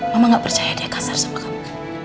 mama gak percaya dia kasar sama kamu